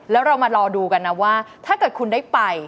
แล้วเรามารอดูกันนะว่าถ้าเกิดคุณได้ไป